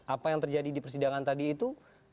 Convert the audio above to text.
apa yang terjadi di persidangan tadi itu